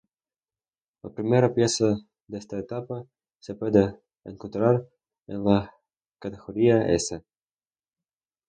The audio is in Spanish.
La primera pieza de esta etapa se puede encontrar en la categoría "S".